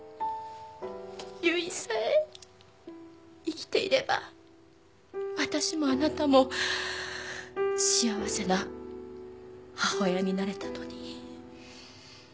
結衣さえ生きていれば私もあなたも幸せな母親になれたのに